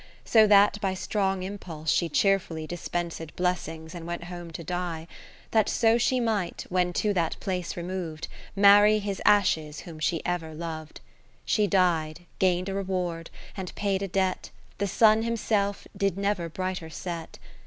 533 ) (So that by strong impulse she cheerfully Dispensed blessings, and went home to die ; That so she might, when to that place remov'd. Marry his ashes whom she ever lov'd) : She died, gain'd a reward, and paid a debt The Sun himself did never brighter set.